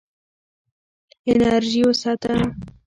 انرژي وساته.